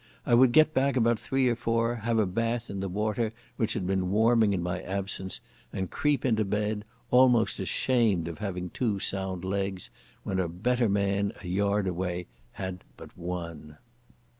I would get back about three or four, have a bath in the water which had been warming in my absence, and creep into bed, almost ashamed of having two sound legs, when a better man a yard away had but one.